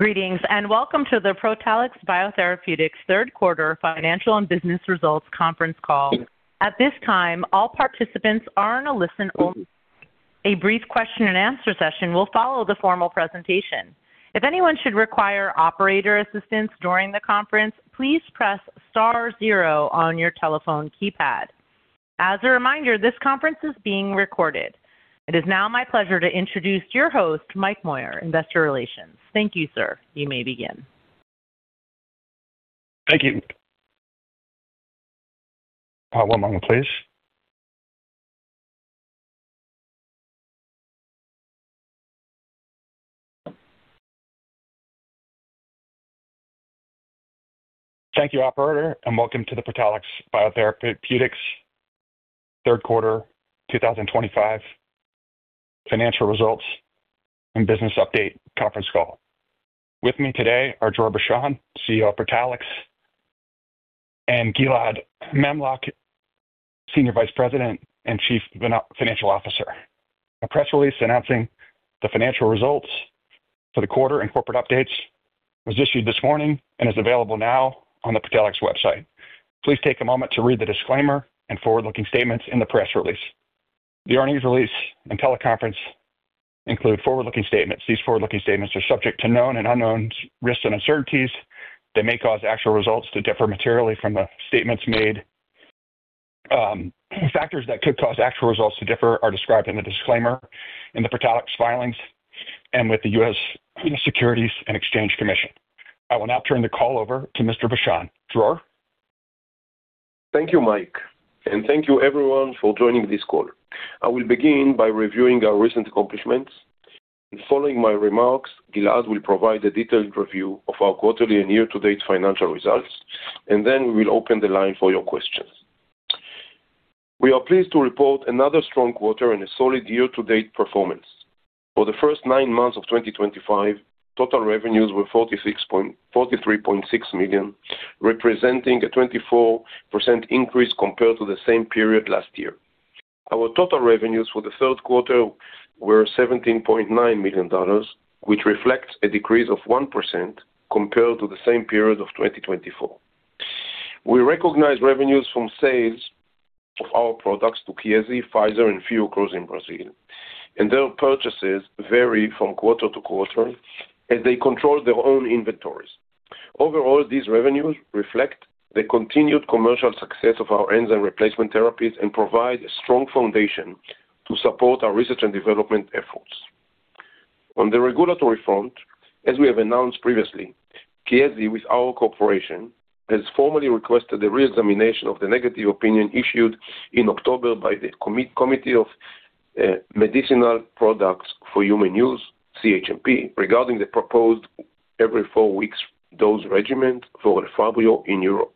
Greetings and welcome to the Protalix BioTherapeutics third quarter financial and business results conference call. At this time, all participants are on a listen-only basis. A brief question-and-answer session will follow the formal presentation. If anyone should require operator assistance during the conference, please press star zero on your telephone keypad. As a reminder, this conference is being recorded. It is now my pleasure to introduce your host, Mike Moyer, Investor Relations. Thank you, sir. You may begin. Thank you. One moment, please. Thank you, operator, and welcome to the Protalix BioTherapeutics third quarter 2025 financial results and business update conference call. With me today are Dror Bashan, CEO of Protalix, and Gilad Memlock, Senior Vice President and Chief Financial Officer. A press release announcing the financial results for the quarter and corporate updates was issued this morning and is available now on the Protalix website. Please take a moment to read the disclaimer and forward-looking statements in the press release. The earnings release and teleconference include forward-looking statements. These forward-looking statements are subject to known and unknown risks and uncertainties. They may cause actual results to differ materially from the statements made. Factors that could cause actual results to differ are described in the disclaimer in the Protalix filings and with the U.S. Securities and Exchange Commission. I will now turn the call over to Mr. Bashan. Dror? Thank you, Mike, and thank you, everyone, for joining this call. I will begin by reviewing our recent accomplishments. Following my remarks, Gilad will provide a detailed review of our quarterly and year-to-date financial results, and then we will open the line for your questions. We are pleased to report another strong quarter and a solid year-to-date performance. For the first nine months of 2025, total revenues were $43.6 million, representing a 24% increase compared to the same period last year. Our total revenues for the third quarter were $17.9 million, which reflects a decrease of 1% compared to the same period of 2024. We recognize revenues from sales of our products to Chiesi, Pfizer, and Fiocruz in Brazil, and their purchases vary from quarter to quarter as they control their own inventories. Overall, these revenues reflect the continued commercial success of our enzyme replacement therapies and provide a strong foundation to support our research and development efforts. On the regulatory front, as we have announced previously, Chiesi, with our cooperation, has formally requested a re-examination of the negative opinion issued in October by the Committee for Medicinal Products for Human Use, CHMP, regarding the proposed every 4 weeks dose regimen for Elefabrio in Europe.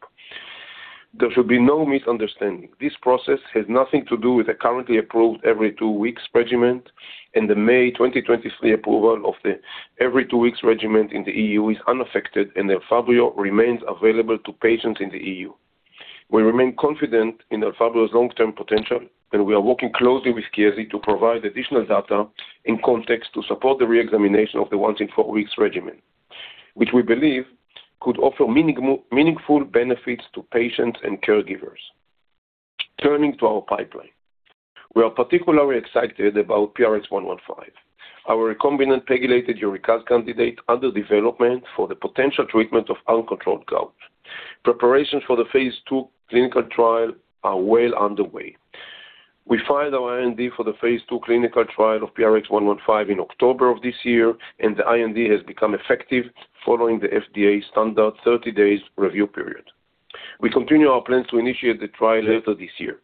There should be no misunderstanding. This process has nothing to do with the currently approved every 2 weeks regimen, and the May 2023 approval of the every 2 weeks regimen in the EU is unaffected, and Elefabrio remains available to patients in the EU. We remain confident in Elefabrio's long-term potential, and we are working closely with Chiesi to provide additional data and context to support the re-examination of the once-in-4 weeks regimen, which we believe could offer meaningful benefits to patients and caregivers. Turning to our pipeline, we are particularly excited about PRX-115, our recombinant pegylated uricase candidate under development for the potential treatment of uncontrolled gout. Preparations for the phase II clinical trial are well underway. We filed our IND for the phase II clinical trial of PRX-115 in October of this year, and the IND has become effective following the FDA standard 30-day review period. We continue our plans to initiate the trial later this year.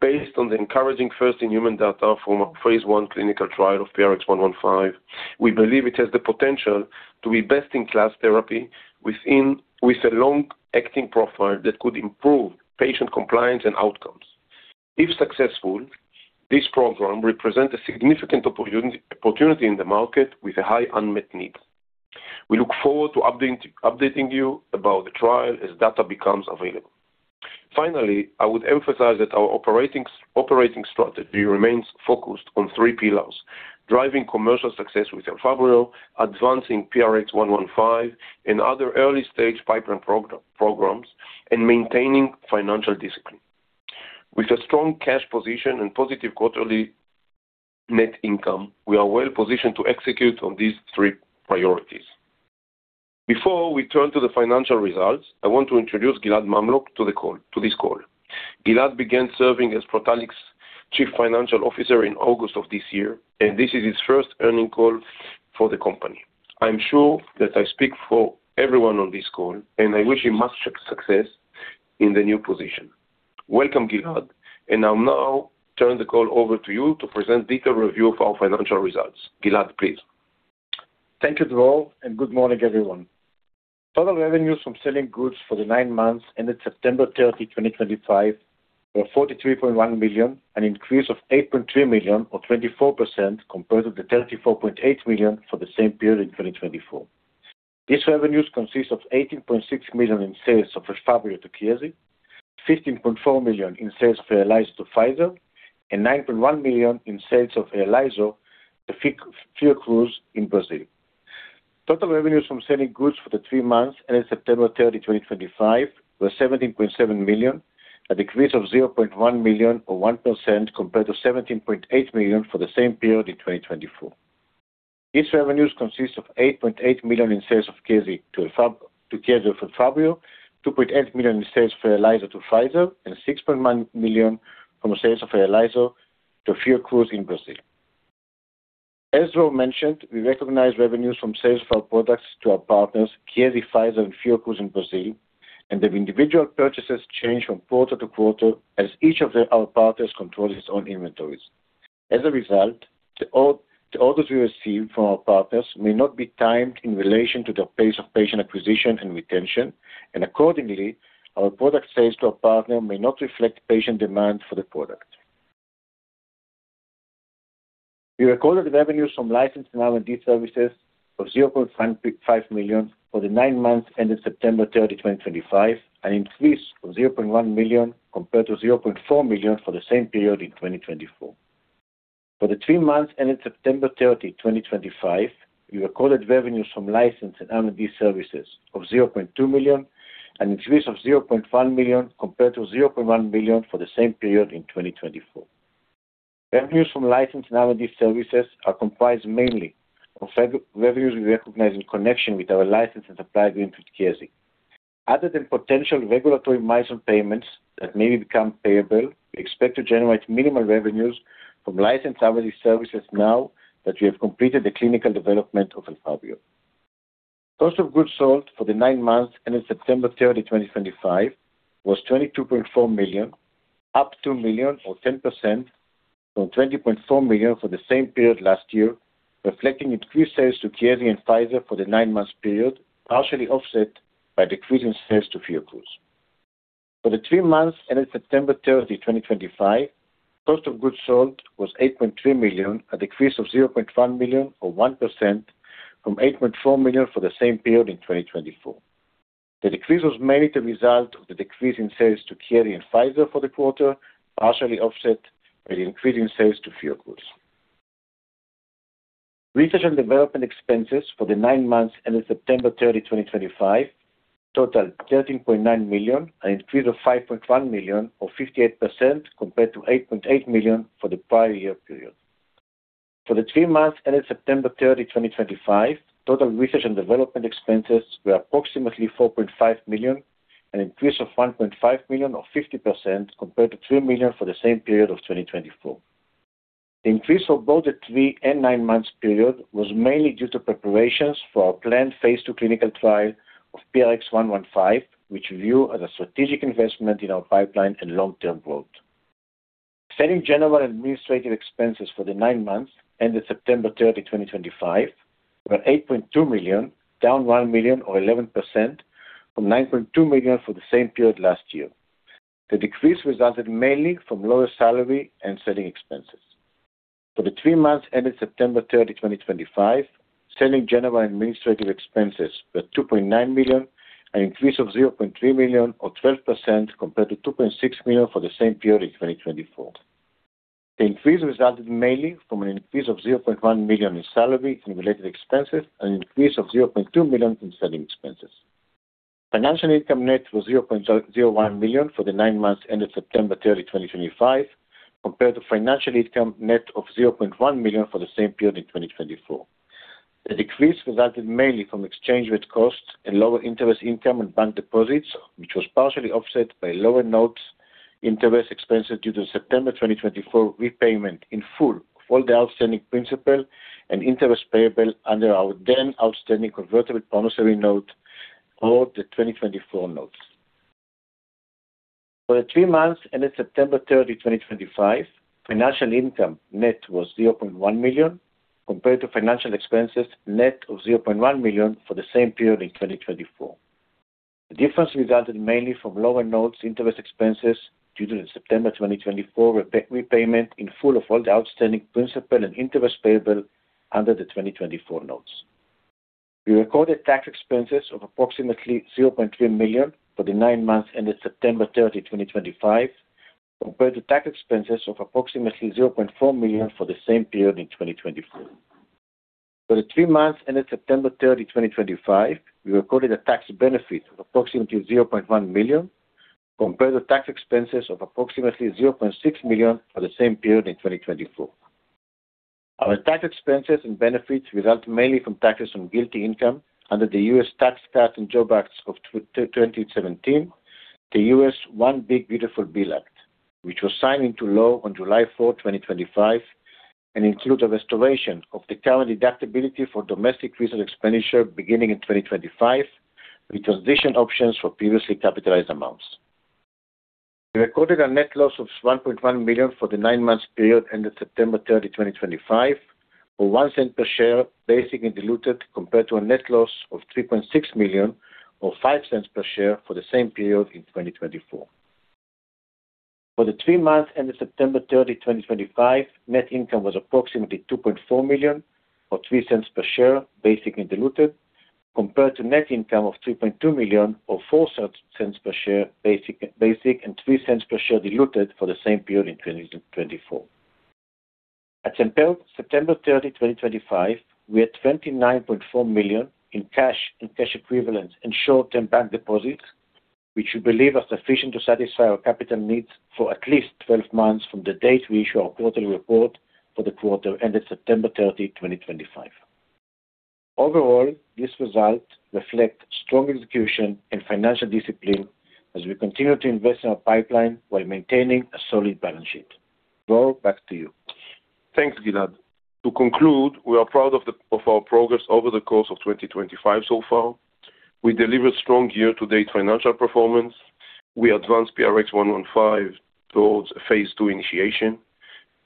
Based on the encouraging first-in-human data from our phase I clinical trial of PRX-115, we believe it has the potential to be best-in-class therapy with a long-acting profile that could improve patient compliance and outcomes. If successful, this program represents a significant opportunity in the market with a high unmet need. We look forward to updating you about the trial as data becomes available. Finally, I would emphasize that our operating strategy remains focused on 3 pillars: driving commercial success with Elefabrio, advancing PRX-115 and other early-stage pipeline programs, and maintaining financial discipline. With a strong cash position and positive quarterly net income, we are well positioned to execute on these 3 priorities. Before we turn to the financial results, I want to introduce Gilad Memlock to this call. Gilad began serving as Protalix Chief Financial Officer in August of this year, and this is his first earning call for the company. I'm sure that I speak for everyone on this call, and I wish him much success in the new position. Welcome, Gilad, and I'll now turn the call over to you to present a detailed review of our financial results. Gilad, please. Thank you, Dror, and good morning, everyone. Total revenues from selling goods for the nine months ended September 30, 2025, were $43.1 million, an increase of $8.3 million, or 24%, compared to the $34.8 million for the same period in 2024. These revenues consist of $18.6 million in sales of Elefabrio to Chiesi, $15.4 million in sales of Elelyso to Pfizer, and $9.1 million in sales of Elelyso to Fiocruz in Brazil. Total revenues from selling goods for the 3 months ended September 30, 2025, were $17.7 million, a decrease of $0.1 million, or 1%, compared to $17.8 million for the same period in 2024. These revenues consist of $8.8 million in sales of Elefabrio to Chiesi, $2.8 million in sales of Elelyso to Pfizer, and $6.1 million from sales of Elelyso to Fiocruz in Brazil. As Dror mentioned, we recognize revenues from sales of our products to our partners, Chiesi, Pfizer, and Fiocruz in Brazil, and the individual purchases change from quarter to quarter as each of our partners controls its own inventories. As a result, the orders we receive from our partners may not be timed in relation to the pace of patient acquisition and retention, and accordingly, our product sales to our partner may not reflect patient demand for the product. We recorded revenues from licensed and R&D services of $0.5 million for the nine months ended September 30, 2025, an increase of $0.1 million compared to $0.4 million for the same period in 2024. For the 3 months ended September 30, 2025, we recorded revenues from licensed and R&D services of $0.2 million, an increase of $0.1 million compared to $0.1 million for the same period in 2024. Revenues from licensed and R&D services are comprised mainly of revenues we recognize in connection with our licensed and supply agreement with Chiesi. Other than potential regulatory milestone payments that may become payable, we expect to generate minimal revenues from licensed R&D services now that we have completed the clinical development of Elefabrio. The cost of goods sold for the nine months ended September 30, 2025, was $22.4 million, up $2 million, or 10%, from $20.4 million for the same period last year, reflecting increased sales to Chiesi and Pfizer for the nine-month period, partially offset by decrease in sales to Fiocruz. For the 3 months ended September 30, 2025, the cost of goods sold was $8.3 million, a decrease of $0.1 million, or 1%, from $8.4 million for the same period in 2024. The decrease was mainly the result of the decrease in sales to Chiesi and Pfizer for the quarter, partially offset by the increase in sales to Fiocruz. Research and development expenses for the nine months ended September 30, 2025, totaled $13.9 million, an increase of $5.1 million, or 58%, compared to $8.8 million for the prior year period. For the 3 months ended September 30, 2025, total research and development expenses were approximately $4.5 million, an increase of $1.5 million, or 50%, compared to $3 million for the same period of 2024. The increase for both the 3 and nine-month period was mainly due to preparations for our planned phase II clinical trial of PRX-115, which we view as a strategic investment in our pipeline and long-term growth. Selling general and administrative expenses for the nine months ended September 30, 2025, were $8.2 million, down $1 million, or 11%, from $9.2 million for the same period last year. The decrease resulted mainly from lower salary and selling expenses. For the 3 months ended September 30, 2025, selling general and administrative expenses were $2.9 million, an increase of $0.3 million, or 12%, compared to $2.6 million for the same period in 2024. The increase resulted mainly from an increase of $0.1 million in salary and related expenses, an increase of $0.2 million in selling expenses. Financial income net was $0.01 million for the nine months ended September 30, 2025, compared to financial income net of $0.1 million for the same period in 2024. The decrease resulted mainly from exchange rate costs and lower interest income and bank deposits, which was partially offset by lower notes interest expenses due to the September 2024 repayment in full of all the outstanding principal and interest payable under our then outstanding convertible promissory note or the 2024 notes. For the 3 months ended September 30, 2025, financial income net was $0.1 million, compared to financial expenses net of $0.1 million for the same period in 2024. The difference resulted mainly from lower notes interest expenses due to the September 2024 repayment in full of all the outstanding principal and interest payable under the 2024 notes. We recorded tax expenses of approximately $0.3 million for the nine months ended September 30, 2025, compared to tax expenses of approximately $0.4 million for the same period in 2024. For the 3 months ended September 30, 2025, we recorded a tax benefit of approximately $0.1 million, compared to tax expenses of approximately $0.6 million for the same period in 2024. Our tax expenses and benefits result mainly from taxes on GILTI income under the U.S. Tax Cut and Jobs Act of 2017, the U.S. One Big Beautiful Bill Act, which was signed into law on July 4, 2025, and includes a restoration of the current deductibility for domestic research expenditure beginning in 2025, with transition options for previously capitalized amounts. We recorded a net loss of $1.1 million for the nine-month period ended September 30, 2025, or $0.01 per share, basic and diluted, compared to a net loss of $3.6 million, or $0.05 per share for the same period in 2024. For the 3 months ended September 30, 2025, net income was approximately $2.4 million, or $0.03 per share, basic and diluted, compared to net income of $3.2 million, or $0.04 per share, basic, and $0.03 per share diluted for the same period in 2024. At September 30, 2025, we had $29.4 million in cash and cash equivalents and short-term bank deposits, which we believe are sufficient to satisfy our capital needs for at least 12 months from the date we issue our quarterly report for the quarter ended September 30, 2025. Overall, this result reflects strong execution and financial discipline as we continue to invest in our pipeline while maintaining a solid balance sheet. Dror, back to you. Thanks, Gilad. To conclude, we are proud of our progress over the course of 2025 so far. We delivered strong year-to-date financial performance. We advanced PRX-115 towards phase II initiation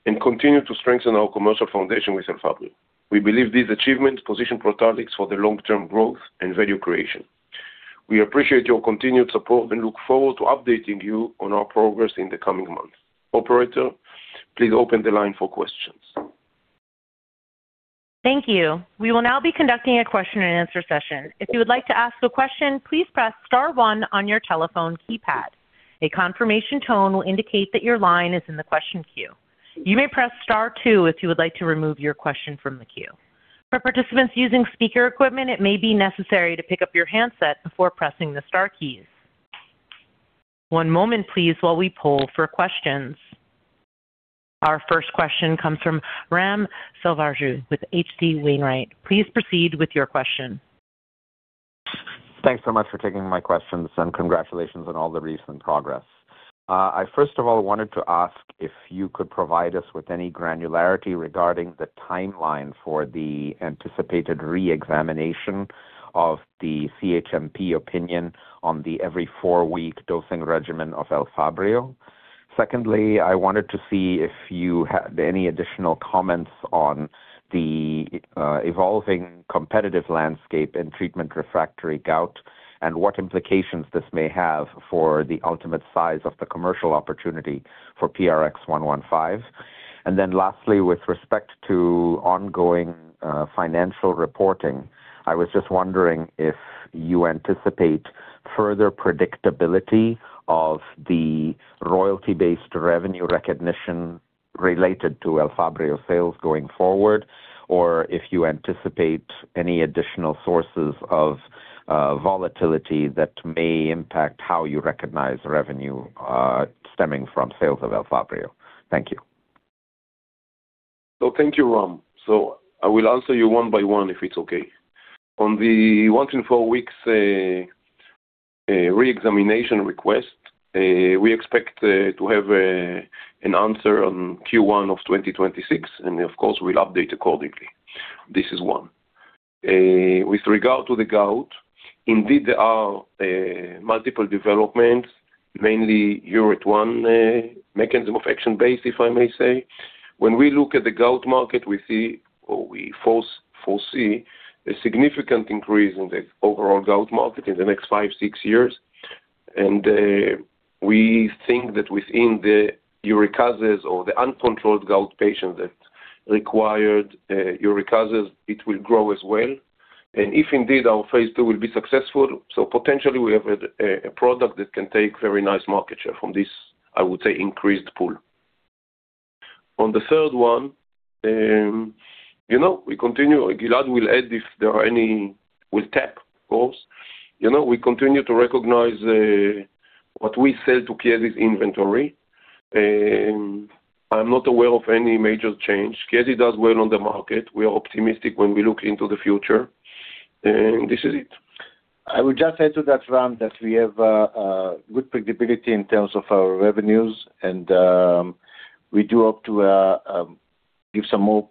and continue to strengthen our commercial foundation with Elefabrio. We believe these achievements position Protalix BioTherapeutics for the long-term growth and value creation. We appreciate your continued support and look forward to updating you on our progress in the coming months. Operator, please open the line for questions. Thank you. We will now be conducting a question-and-answer session. If you would like to ask a question, please press star 1 on your telephone keypad. A confirmation tone will indicate that your line is in the question queue. You may press star 2 if you would like to remove your question from the queue. For participants using speaker equipment, it may be necessary to pick up your handset before pressing the star keys. One moment, please, while we poll for questions. Our first question comes from Ram Selvaraju with H.C. Wainwright. Please proceed with your question. Thanks so much for taking my questions, and congratulations on all the recent progress. I first of all wanted to ask if you could provide us with any granularity regarding the timeline for the anticipated re-examination of the CHMP opinion on the every 4 week dosing regimen of Elefabrio. Secondly, I wanted to see if you had any additional comments on the evolving competitive landscape in treatment refractory gout and what implications this may have for the ultimate size of the commercial opportunity for PRX-115. And then lastly, with respect to ongoing financial reporting, I was just wondering if you anticipate further predictability of the royalty-based revenue recognition related to Elefabrio sales going forward, or if you anticipate any additional sources of volatility that may impact how you recognize revenue stemming from sales of Elefabrio. Thank you. Thank you, Ram. I will answer you one by one if it's okay. On the once in 4 weeks re-examination request, we expect to have an answer in Q1 of 2026, and of course, we'll update accordingly. This is one. With regard to the gout, indeed, there are multiple developments, mainly year-to-one mechanism of action base, if I may say. When we look at the gout market, we see, or we foresee, a significant increase in the overall gout market in the next 5 to 6 years. We think that within the uricases or the uncontrolled gout patients that require uricases, it will grow as well. If indeed our phase II will be successful, potentially we have a product that can take very nice market share from this, I would say, increased pool. On the third one, we continue, Gilad will add if there are any, will tap, of course. We continue to recognize what we sell to Chiesi's inventory. I'm not aware of any major change. Chiesi does well on the market. We are optimistic when we look into the future. This is it. I would just add to that, Ram, that we have good predictability in terms of our revenues, and we do hope to give some more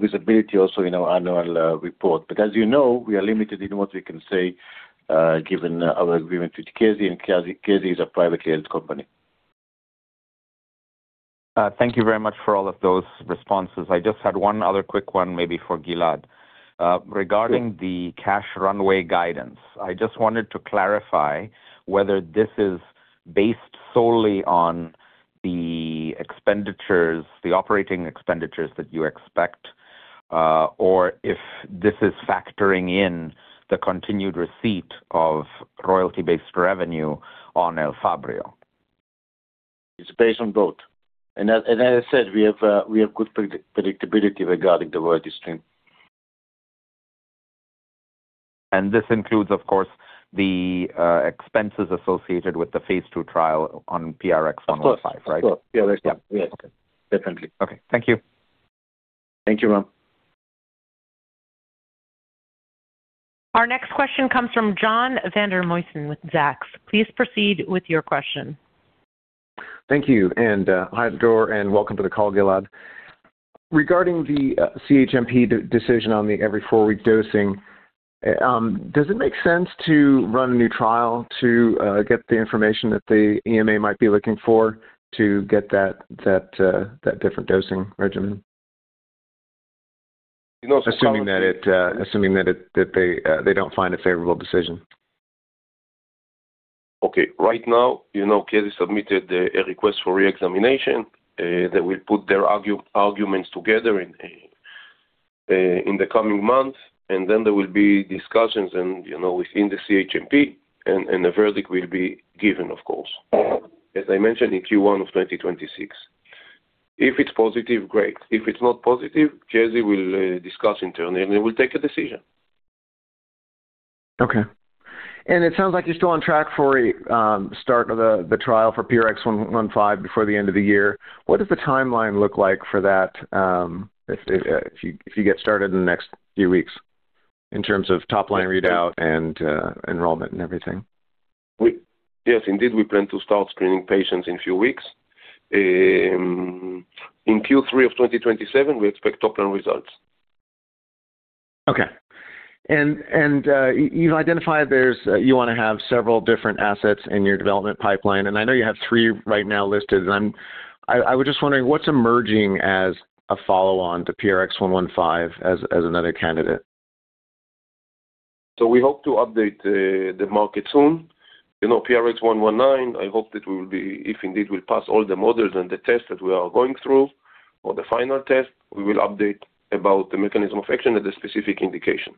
visibility also in our annual report. As you know, we are limited in what we can say given our agreement with Chiesi, and Chiesi is a privately held company. Thank you very much for all of those responses. I just had one other quick one maybe for Gilad. Regarding the cash runway guidance, I just wanted to clarify whether this is based solely on the expenditures, the operating expenditures that you expect, or if this is factoring in the continued receipt of royalty-based revenue on Elefabrio. It's based on both. As I said, we have good predictability regarding the royalty stream. This includes, of course, the expenses associated with the phase II trial on PRX-115, right? Of course. Yeah, that's right. Yes. Definitely. Okay. Thank you. Thank you, Ram. Our next question comes from John Vandermosten with Zacks. Please proceed with your question. Thank you. Hi, Dror, and welcome to the call, Gilad. Regarding the CHMP decision on the every 4-week dosing, does it make sense to run a new trial to get the information that the EMA might be looking for to get that different dosing regimen? Assuming that they do not find a favorable decision. Okay. Right now, Chiesi submitted a request for re-examination. They will put their arguments together in the coming months, and then there will be discussions within the CHMP, and a verdict will be given, of course, as I mentioned, in Q1 of 2026. If it's positive, great. If it's not positive, Chiesi will discuss internally, and they will take a decision. Okay. It sounds like you're still on track for a start of the trial for PRX-115 before the end of the year. What does the timeline look like for that if you get started in the next few weeks in terms of top-line readout and enrollment and everything? Yes, indeed, we plan to start screening patients in a few weeks. In Q3 of 2027, we expect top-line results. Okay. And you've identified you want to have several different assets in your development pipeline, and I know you have 3 right now listed. I was just wondering, what's emerging as a follow-on to PRX-115 as another candidate? We hope to update the market soon. PRX-119, I hope that we will be, if indeed we pass all the models and the tests that we are going through or the final test, we will update about the mechanism of action and the specific indication.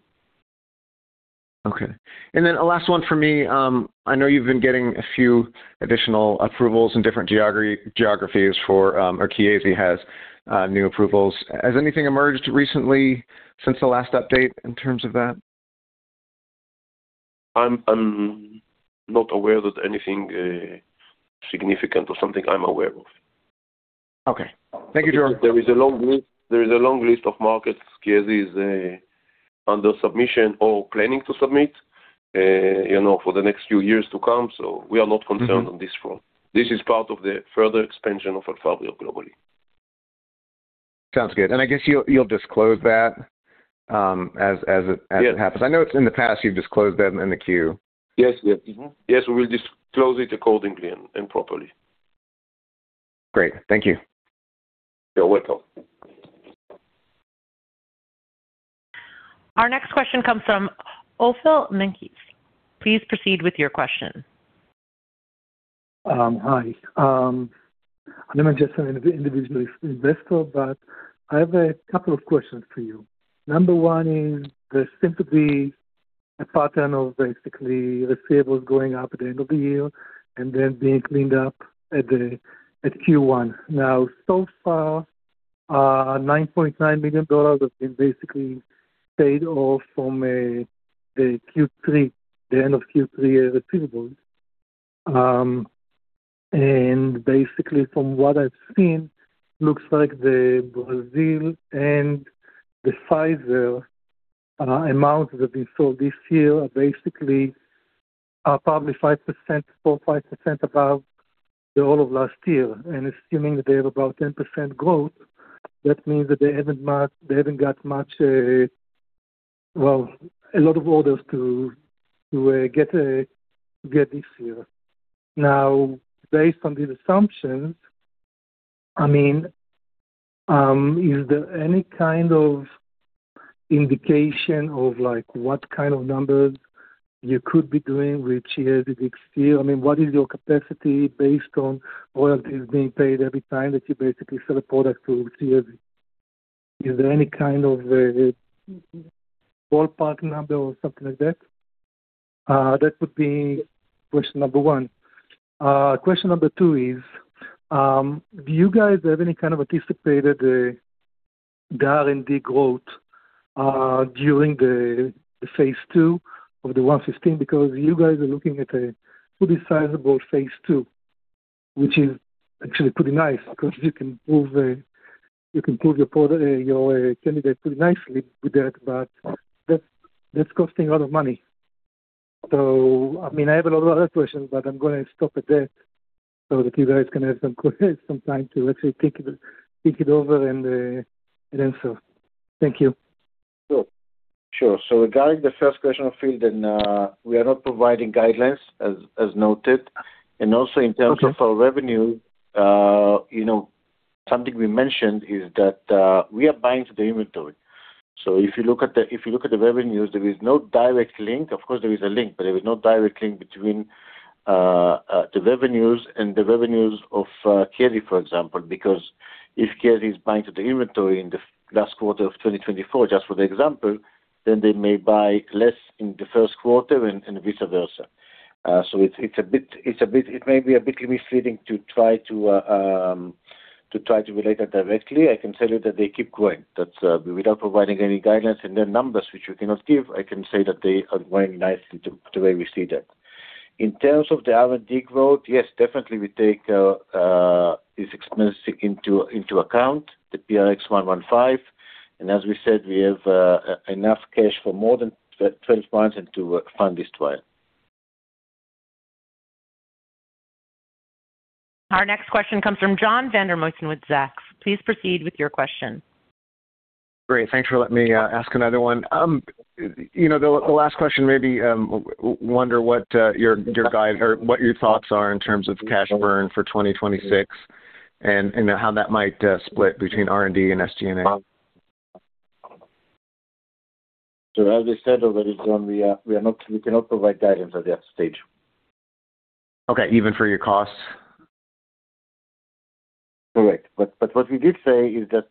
Okay. And then a last one for me. I know you've been getting a few additional approvals in different geographies for, or Chiesi has new approvals. Has anything emerged recently since the last update in terms of that? I'm not aware that anything significant or something I'm aware of. Okay. Thank you, Dror. There is a long list of markets Chiesi is under submission or planning to submit for the next few years to come, so we are not concerned on this front. This is part of the further expansion of Elefabrio globally. Sounds good. I guess you'll disclose that as it happens. I know in the past you've disclosed them in the queue. Yes, yes. Yes, we will disclose it accordingly and properly. Great. Thank you. You're welcome. Our next question comes from Ophel Menkes. Please proceed with your question. Hi. I'm just an individual investor, but I have a couple of questions for you. Number 1 is, there seems to be a pattern of basically receivables going up at the end of the year and then being cleaned up at Q1. Now, so far, $9.9 million has been basically paid off from the end of Q3 receivables. And basically, from what I've seen, it looks like the Brazil and the Pfizer amounts that have been sold this year are basically probably 4%-5% above the all of last year. And assuming that they have about 10% growth, that means that they haven't got much, well, a lot of orders to get this year. Now, based on these assumptions, I mean, is there any kind of indication of what kind of numbers you could be doing with Chiesi next year? I mean, what is your capacity based on royalties being paid every time that you basically sell a product to Chiesi? Is there any kind of ballpark number or something like that? That would be question number 1. Question number 2 is, do you guys have any kind of anticipated R&D growth during the phase II of the 115? Because you guys are looking at a pretty sizable phase II, which is actually pretty nice because you can prove your candidate pretty nicely with that, but that's costing a lot of money. I mean, I have a lot of other questions, but I'm going to stop at that so that you guys can have some time to actually think it over and answer. Thank you. Sure. Regarding the first question of field, we are not providing guidelines, as noted. Also, in terms of our revenue, something we mentioned is that we are buying to the inventory. If you look at the revenues, there is no direct link. Of course, there is a link, but there is no direct link between the revenues and the revenues of Chiesi, for example, because if Chiesi is buying to the inventory in the last quarter of 2024, just for the example, they may buy less in the first quarter and vice versa. It may be a bit misleading to try to relate that directly. I can tell you that they keep growing. Without providing any guidelines and their numbers, which we cannot give, I can say that they are growing nicely the way we see that. In terms of the R&D growth, yes, definitely we take these expenses into account, the PRX-115. As we said, we have enough cash for more than 12 months to fund this trial. Our next question comes from John Vandermosten with Zacks. Please proceed with your question. Great. Thanks for letting me ask another one. The last question, maybe wonder what your thoughts are in terms of cash burn for 2026 and how that might split between R&D and SG&A. As I said already, we cannot provide guidance at that stage. Okay. Even for your costs? Correct. What we did say is that,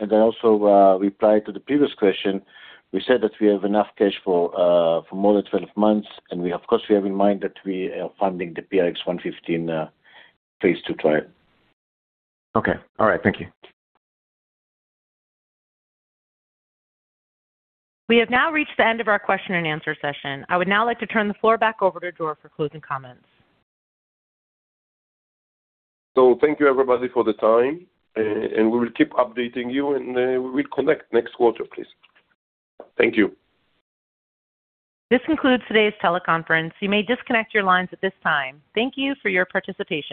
and I also replied to the previous question, we said that we have enough cash for more than 12 months, and of course, we have in mind that we are funding the PRX-115 phase II trial. Okay. All right. Thank you. We have now reached the end of our question and answer session. I would now like to turn the floor back over to Dror for closing comments. Thank you, everybody, for the time. We will keep updating you, and we will connect next quarter, please. Thank you. This concludes today's teleconference. You may disconnect your lines at this time. Thank you for your participation.